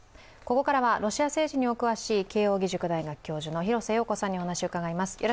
ここからはロシア政治にお詳しい慶応義塾大学教授の廣瀬陽子さんにお話を伺います。